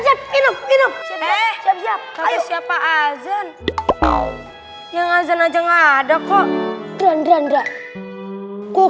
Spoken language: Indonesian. siapa aja yang aja nggak ada kok